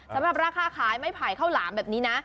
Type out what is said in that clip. สำหรับราคาขายไม่ไผ่ข้าวหลามแบบนี้นะ